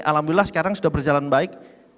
alhamdulillah sekarang sudah berjalan baik